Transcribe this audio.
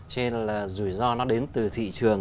cho nên là rủi ro nó đến từ thị trường